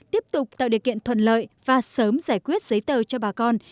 tiếp tục tạo điều kiện thuận lợi và sớm giải quyết giấy tờ cho bà con